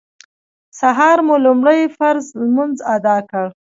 سهار مو لومړی فرض لمونځ اداء کړ.